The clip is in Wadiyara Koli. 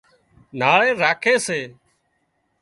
ناۯيل راکي سي